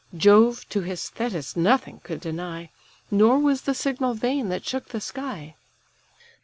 Jove to his Thetis nothing could deny, Nor was the signal vain that shook the sky.